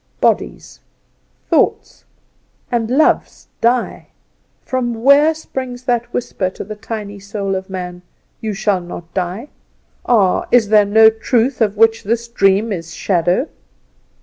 Bodies, thoughts, and loves die: from where springs that whisper to the tiny soul of man, "You shall not die." Ah, is there no truth of which this dream is shadow?